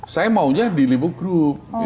saya maunya di lipo group